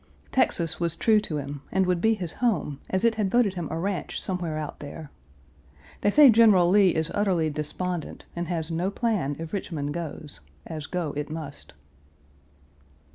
Texas was true to him, and would be his home, as it had voted him a ranch somewhere out there. They say General Lee is utterly despondent, and has no plan if Richmond goes, as go it must.